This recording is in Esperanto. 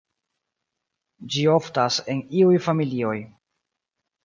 Ĝi oftas en iuj familioj.